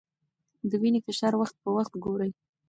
د وینې فشار وخت په وخت وګورئ.